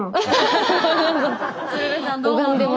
鶴瓶さんどうもどうも。